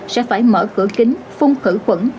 sẽ phải mở cửa kính phung khử khuẩn